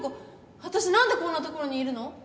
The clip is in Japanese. わたしなんでこんなところにいるの？